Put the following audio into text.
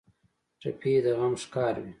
ټپي د غم ښکار وي.